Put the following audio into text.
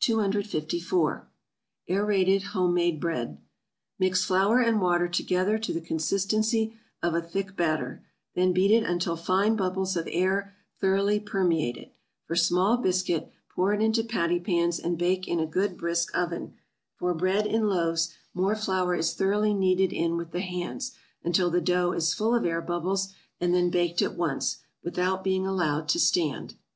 254. =Aerated Homemade Bread.= Mix flour and water together to the consistency of a thick batter; then beat it until fine bubbles of air thoroughly permeate it; for small biscuit, pour it into patty pans, and bake in a good brisk oven; for bread in loaves more flour is thoroughly kneaded in with the hands, until the dough is full of air bubbles, and then baked at once, without being allowed to stand.